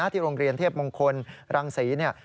ที่โรงเรียนเทพมงคลรังศรี